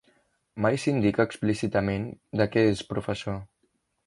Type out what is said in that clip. Mai s'indica explícitament de què és professor.